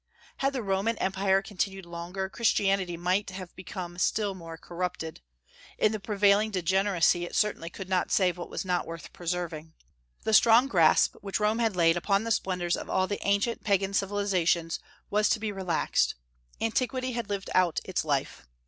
Had the Roman empire continued longer, Christianity might have become still more corrupted; in the prevailing degeneracy it certainly could not save what was not worth preserving. The strong grasp which Rome had laid upon the splendors of all the ancient Pagan Civilizations was to be relaxed. Antiquity had lived out its life.